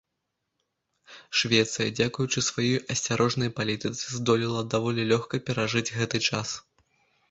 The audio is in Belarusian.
Швецыя дзякуючы сваёй асцярожнай палітыцы здолела даволі лёгка перажыць гэты час.